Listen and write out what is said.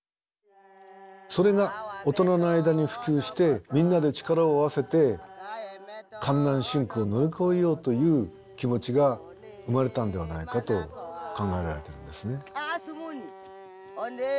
それが大人の間に普及してみんなで力を合わせて艱難辛苦を乗り越えようという気持ちが生まれたんではないかと考えられているんですね。